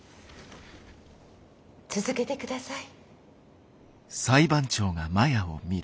続けてください。